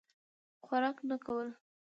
خوراک نه کول.